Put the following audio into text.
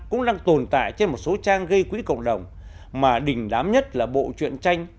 cũng đang tồn tại trên một số trang gây quỹ cộng đồng mà đình đám nhất là bộ truyện tranh